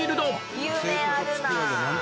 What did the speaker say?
夢あるなあ。